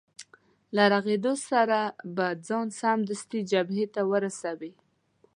له رغېدو سره به ځان سمدستي جبهې ته ورسوې.